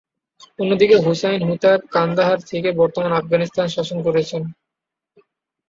অন্যদিকে Hussain Hotak Kandahar থেকে বর্তমান আফগানিস্তান শাসন করেছেন।